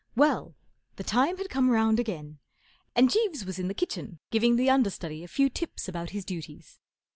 Well, the time had come round again, and Jeeves was in the kitchen giving' the under¬ study a few tips about his duties.